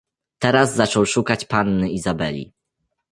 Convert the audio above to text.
"Teraz zaczął szukać panny Izabeli."